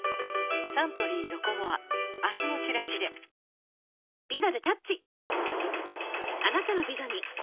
サントリー「ロコモア」明日のチラシで第１位。